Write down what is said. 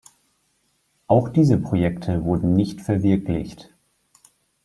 Auch diese Projekte wurden nicht verwirklicht.